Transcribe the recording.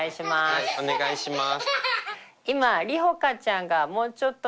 はいお願いします。